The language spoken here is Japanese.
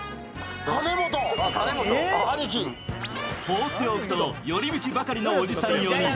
放っておくと寄り道ばかりのおじさん４人。